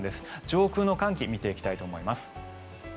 上空の寒気を見ていきたいと思います。